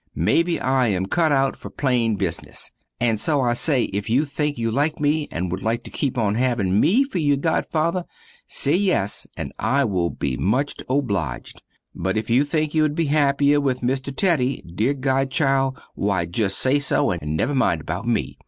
Mebbe I am cut out fer plane bizness. And so I say, if you think you like me, and wood like to keep on having me fer your godfather, say yes and I will be much obliged. But if you think you wood be hapier with Mr. Teddy, dear godchild why just say so and never mind about me.